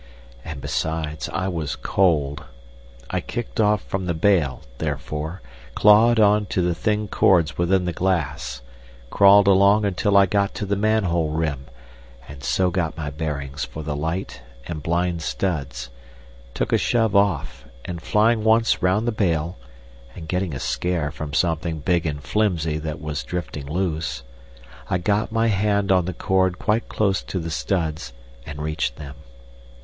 And besides, I was cold. I kicked off from the bale, therefore, clawed on to the thin cords within the glass, crawled along until I got to the manhole rim, and so got my bearings for the light and blind studs, took a shove off, and flying once round the bale, and getting a scare from something big and flimsy that was drifting loose, I got my hand on the cord quite close to the studs, and reached them.